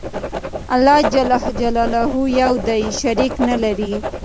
الله ج يو دى شريک نلري